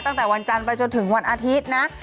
ตั้งแต่วันจันทร์ไปจนถึงวันอาทิตย์นะ